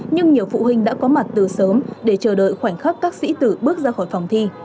nhưng nhiều phụ huynh đã có mặt từ sớm để chờ đợi khoảnh khắc các sĩ tử bước ra khỏi phòng thi